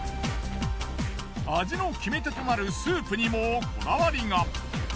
味の決め手となるスープにもこだわりが。